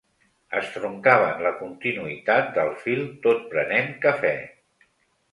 Estroncaven la continuïtat del fil tot prenent cafè.